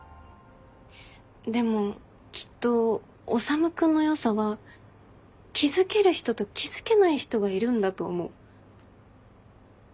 でもきっと修君の良さは気付ける人と気付けない人がいるんだと思う。